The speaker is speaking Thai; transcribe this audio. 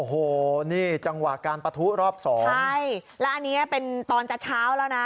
โอ้โหนี่จังหวะการปะทุรอบสองใช่แล้วอันนี้เป็นตอนจะเช้าแล้วนะ